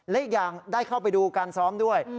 และอีกอย่างได้เข้าไปดูการซ้อมด้วย